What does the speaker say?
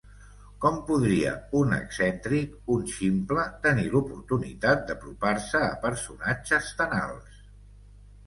Com podria un excèntric, un ximple, tenir l'oportunitat d'apropar-se a personatges tan alts?